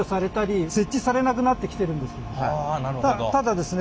ただですね